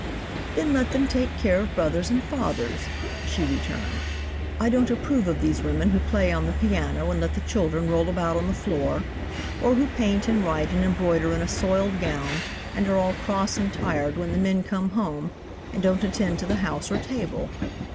'Then let them take care of brothers and fathers,' she returned. 'I don't approve of these women who play on the piano and let the children roll about on the floor, or who paint and write and embroider in a soiled gown and are all cross and tired when the men come home and don't attend to the house or table.